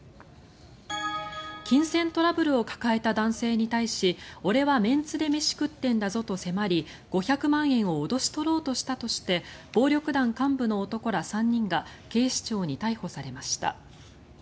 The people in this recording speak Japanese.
金銭トラブルを抱えた男性に対し俺はメンツで飯食ってんだぞと迫り５００万円を脅し取ろうとしたとして暴力団幹部の男ら３人が警視庁に逮捕されました。